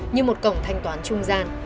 như một cổng thanh toán trung gian